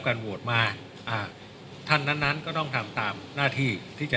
โหวตมาอ่าท่านนั้นนั้นก็ต้องทำตามหน้าที่ที่จะ